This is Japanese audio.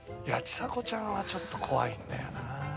いやちさ子ちゃんはちょっと怖いんだよな。